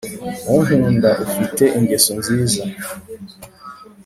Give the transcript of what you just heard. unkunda ufite ingeso nziza